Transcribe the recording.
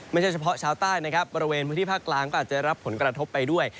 ไม่ใช่เฉพาะชาวใต้นะครับบริเวณพื้นที่ภาคกลางก็อาจจะรับผลกระทบไปด้วย